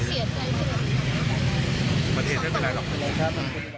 จบที่สุดเป็นอะไรหรือ